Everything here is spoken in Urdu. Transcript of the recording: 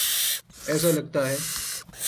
ایسا لگتا ہے۔